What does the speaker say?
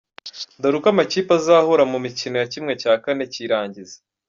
Dore uko amakipe azahura mu mikino ya ¼ cy’irangiza:.